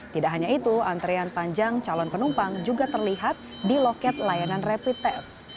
tidak hanya itu antrean panjang calon penumpang juga terlihat di loket layanan rapid test